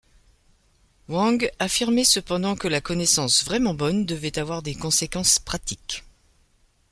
Wang affirmait cependant que la connaissance vraiment bonne devait avoir des conséquences pratiques.